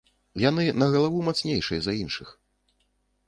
Яны на галаву мацнейшыя за іншых.